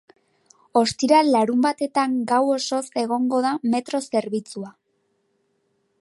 Ostiral-larunbatetan gau osoz egongo da metro zerbitzua.